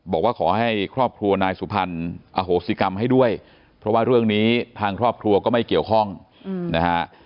บอกว่าขอให้ครอบครัวนายสุพรรณอโหสิกรรมให้ด้วยเพราะว่าเรื่องนี้ทางครอบครัวก็ไม่เกี่ยวข้องนะฮะ